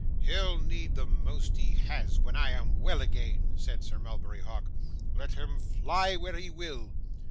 'He'll need the most he has, when I am well again,' said Sir Mulberry Hawk, 'let him fly where he will.